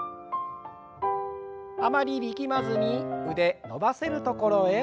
あまり力まずに腕伸ばせるところへ。